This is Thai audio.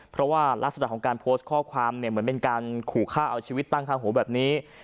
เพราะว่ารักษณะของการโพสต์ข้อความเนี่ยเหมือนเป็นการขู่ฆ่าเอาชีวิตตั้งข้างหูแบบนี้